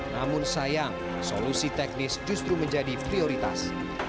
namun sayang solusi teknis justru menjadi prioritas